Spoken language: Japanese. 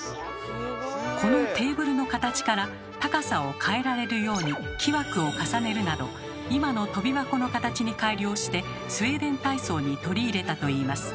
このテーブルの形から高さを変えられるように木枠を重ねるなど今のとび箱の形に改良してスウェーデン体操に取り入れたといいます。